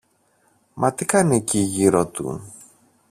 Μα τι κάνει εκεί γύρω του;